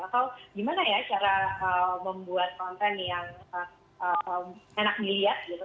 atau gimana ya cara membuat konten yang enak dilihat gitu